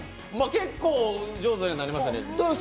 結構上手になりました。